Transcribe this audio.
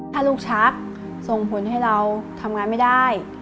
ถ้าลูกชักส่งผลให้เราทำงานไม่ได้